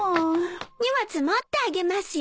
荷物持ってあげますよ。